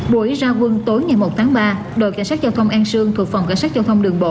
buổi ra quân tối ngày một tháng ba đội cảnh sát giao thông an sương thuộc phòng cảnh sát giao thông đường bộ